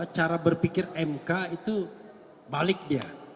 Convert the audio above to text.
cara berpikir mk itu balik dia